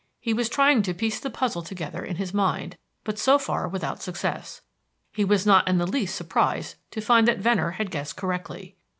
He was trying to piece the puzzle together in his mind, but so far without success. He was not in the least surprised to find that Venner had guessed correctly.